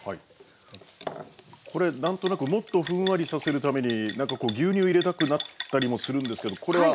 これ何となくもっとふんわりさせるために何かこう牛乳入れたくなったりもするんですけどこれは？